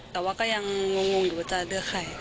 แต่ว่าก็ยังงงอยู่ว่าจะเลือกใคร